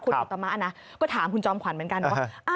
คุณอุตมะนะก็ถามคุณจอมขวัญเหมือนกันว่า